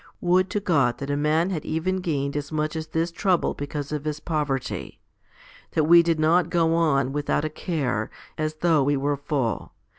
Would to God that a man had even gained as much as this trouble because of his poverty that we did not go on without a care, as though we were full